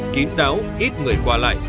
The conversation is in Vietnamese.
kín đáo ít người qua lại